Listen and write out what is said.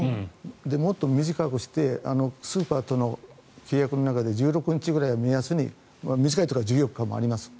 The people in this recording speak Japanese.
もっと短くしてスーパーとの契約の中で１６日ぐらいを目安に短いところは１４日もあります。